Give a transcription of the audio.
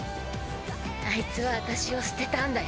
あいつは私を捨てたんだよ。